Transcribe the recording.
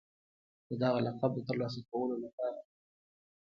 د دغه لقب د ترلاسه کولو لپاره